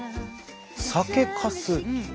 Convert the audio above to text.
酒かす。